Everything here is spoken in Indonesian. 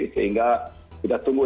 sehingga kita tunggu ya